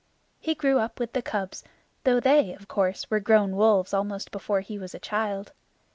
He grew up with the cubs, though they, of course, were grown wolves almost before he was a child.